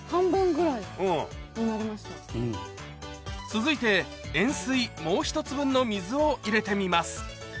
続いて円錐もう１つ分の水を入れてみます